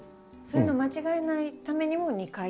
そういうのを間違えないためにも２回？